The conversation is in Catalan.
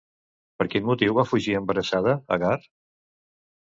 Per quin motiu va fugir embarassada, Agar?